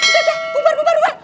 jajah bubar bubar bubar